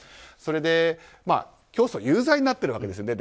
それで、教祖は有罪になってるわけです。